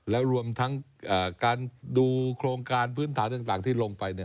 แล้วรวมทั้งการดูโครงการพื้นฐานต่างที่ลงไป